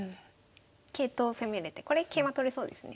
桂頭を攻めれてこれ桂馬取れそうですね。